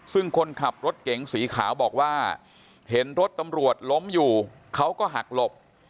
ซึ่งคนขับรถเก๋งสีขาวบอกว่าเห็นรถตำรวจล้มอยู่เขาก็หักหลบ